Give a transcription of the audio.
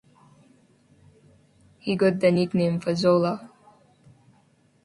He got the nickname Fazola.